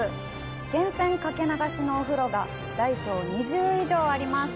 源泉かけ流しのお風呂が大小２０以上あります。